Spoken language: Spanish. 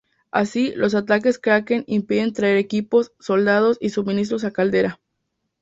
Así, los ataques Kraken impiden traer equipos, soldados y suministros a Caldera.